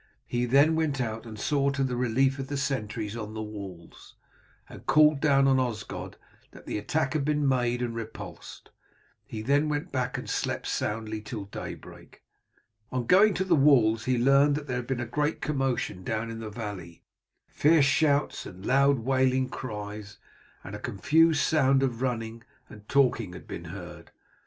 He then went out and saw to the relief of the sentries on the walls, and called down to Osgod that the attack had been made and repulsed. He then went back and slept soundly till daybreak. On going to the walls he learned that there had been a great commotion down in the valley. Fierce shouts, loud wailing cries, and a confused sound of running and talking had been heard.